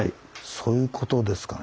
そういうことですかね。